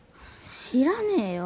知らねえよ。